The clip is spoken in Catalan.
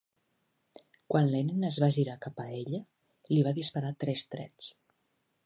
Quan Lenin es va girar cap a ella, li va disparar tres trets.